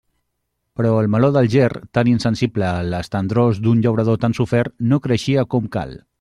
Però el meló d'Alger, tan insensible a les tendrors d'un llaurador tan sofert, no creixia com cal.